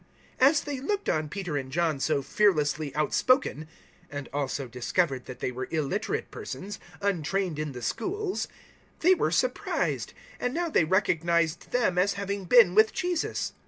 004:013 As they looked on Peter and John so fearlessly outspoken and also discovered that they were illiterate persons, untrained in the schools they were surprised; and now they recognized them as having been with Jesus.